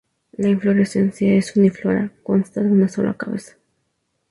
La inflorescencia es uniflora, consta de una sola cabeza.